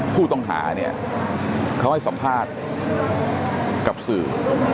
ผู้ต้องหาเนี่ยเขาให้สัมภาษณ์กับสื่อ